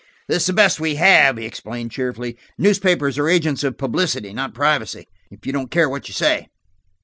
"This is the best we have," he explained cheerfully. "Newspapers are agents of publicity, not privacy–if you don't care what you say."